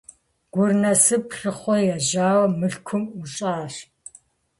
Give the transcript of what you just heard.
Гур Насып лъыхъуэ ежьауэ Мылъкум ӀущӀащ.